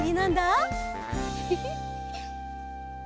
フフフッ。